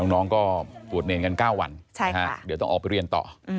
น้องก็บวชเนรกัน๙วันเดี๋ยวต้องออกไปเรียนต่อ